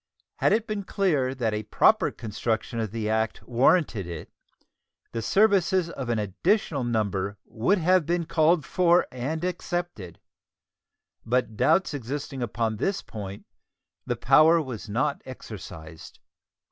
Had it been clear that a proper construction of the act warranted it, the services of an additional number would have been called for and accepted; but doubts existing upon this point, the power was not exercised.